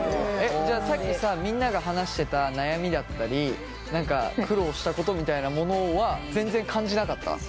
じゃあさっきさみんなが話してた悩みだったり何か苦労したことみたいなものは全然感じなかった？